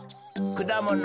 くだもの。